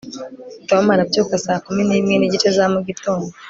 tom arabyuka saa kumi nimwe nigice za mugitondo